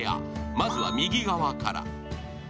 まずは右側から。